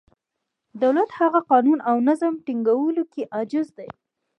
دولت هلته قانون او نظم ټینګولو کې عاجز دی.